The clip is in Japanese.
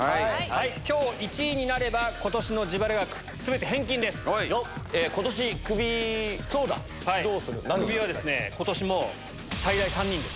きょう１位になれば、ことしの自ことしクビ、どうする、クビはことしも最大３人です。